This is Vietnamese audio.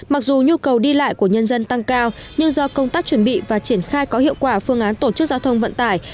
mặc dù nhu cầu đi lại của nhân dân tăng cao nhưng do công tác chuẩn bị và triển khai có hiệu quả phương án tổ chức giao thông vận tải